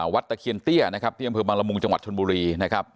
ตะเคียนเตี้ยนะครับที่อำเภอบังละมุงจังหวัดชนบุรีนะครับ